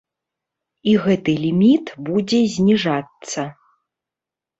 І гэты ліміт будзе зніжацца.